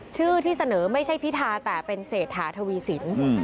ชื่อที่เสนอไม่ใช่พิธาแต่เป็นเศรษฐาทวีสิน